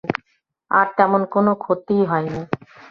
আর তেমন কোনো ক্ষতিই হয় নি।